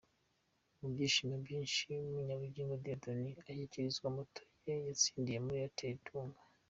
Mu byishimo byinshi Munyabugingo Dieudonne ashyikirizwa moto ye yatsindiye muri Airtel Tunga .